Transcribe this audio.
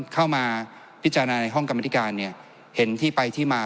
เข้ามาพิจารณาในห้องกรรมธิการเนี่ยเห็นที่ไปที่มา